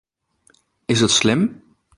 Is it slim?